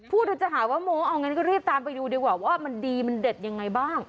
เธอจะหาว่าโม้เอางั้นก็รีบตามไปดูดีกว่าว่ามันดีมันเด็ดยังไงบ้าง